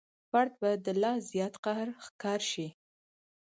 فرد به د لا زیات قهر ښکار شي.